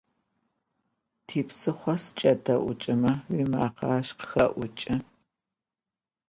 Tipsıxho sıç'ede'uç'me, vumakhe aş khıxe'uç'ı.